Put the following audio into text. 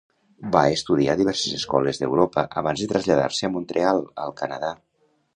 Va estudiar a diverses escoles d'Europa abans de traslladar-se a Montreal, al Canadà.